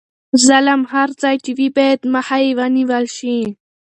ظلم هر ځای چې وي باید مخه یې ونیول شي.